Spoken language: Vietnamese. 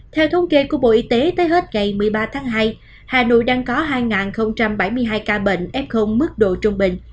theo thống kê của bộ y tế tới hết ngày một mươi ba tháng hai hà nội đang có hai bảy mươi hai ca bệnh f mức độ trung bình